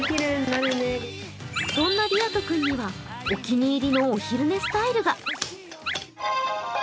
そんなりあと君にはお気に入りのお昼寝スタイルが。